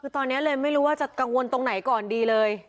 คือตอนนี้เลยไม่รู้ว่าจะกังวลตรงไหนก่อนดีเลย